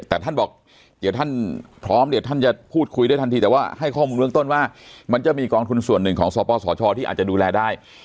แต่ท่านบอกเดี๋ยวท่านพร้อมเดี๋ยวท่านจะพูดคุยได้ทันทีแต่ว่าให้ข้อมูลเบื้องต้นว่ามันจะมีกองทุนส่วนหนึ่งของสปสชที่อาจจะดูแลได้